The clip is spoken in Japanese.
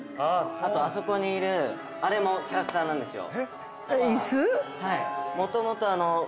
あと、あそこにいるあれもキャラクターなんですよ。